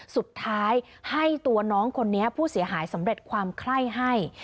สุดท้ายให้ตัวน้องคนนี้ผู้เสียหายสำเร็จความไข้ให้